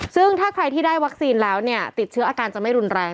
ซึ่งถ้าใครที่ได้วัคซีนแล้วเนี่ยติดเชื้ออาการจะไม่รุนแรง